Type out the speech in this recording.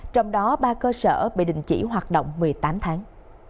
trong đó ba cơ sở bị đình chỉ hoạt động một mươi tám tháng